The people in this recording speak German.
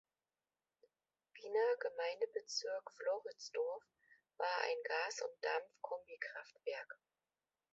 Wiener Gemeindebezirk Floridsdorf war ein Gas-und-Dampf-Kombikraftwerk.